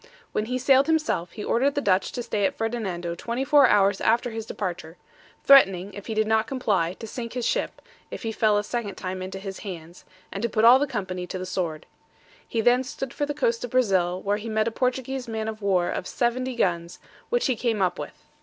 When he sailed himself, he ordered the Dutch to stay at Ferdinando 24 hours after his departure; threatening, if he did not comply, to sink his ship, if he fell a second time into his hands, and to put all the company to the sword. He then stood for the coast of Brazil, where he met a Portuguese man of war of 70 guns, which he came up with.